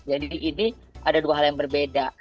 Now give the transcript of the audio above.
jadi ini ada dua hal yang berbeda